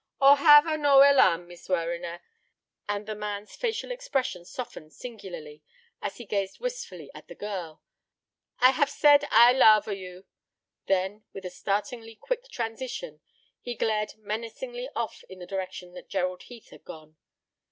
"O, have a no alarm, Mees Warriner," and the man's facial expression softened singularly as he gazed wistfully at the girl. "I haf said I love a you." Then, with a startlingly quick transition, he glared menacingly off in the direction that Gerald Heath had gone.